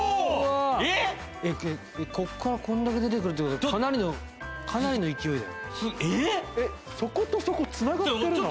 こっからこんだけ出てくるっていうことは、かなりの勢いよ。